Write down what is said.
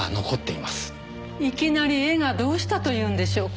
いきなり絵がどうしたというんでしょうか？